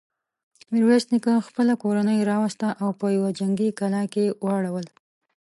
ميرويس نيکه خپله کورنۍ راوسته او په يوه جنګي کلا کې يې واړول.